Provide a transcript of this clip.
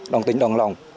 đồng tính đồng lòng